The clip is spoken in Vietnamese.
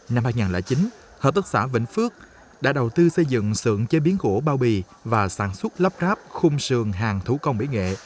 năm hai nghìn chín hợp tác xã vĩnh phước đã đầu tư xây dựng sưởng chế biến gỗ bao bì và sản xuất lắp ráp khung sườn hàng thủ công mỹ nghệ